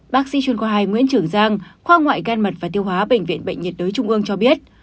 bác sĩ chuyên khoa hai nguyễn trường giang khoa ngoại gan mật và tiêu hóa bệnh viện bệnh nhiệt đới trung ương cho biết